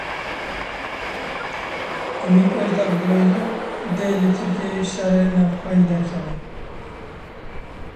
Umit Ozdag dibêje; dê li Tirkiyeyê şerê navxweyî derkeve.